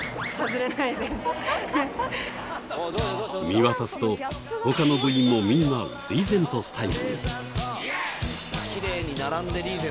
見渡すと、他の部員もみんなリーゼントスタイルに。